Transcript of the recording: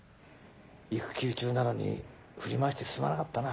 育休中なのに振り回してすまなかったな。